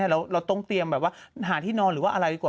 เราต้องเตรียมแบบว่าหาที่นอนหรือว่าอะไรดีกว่า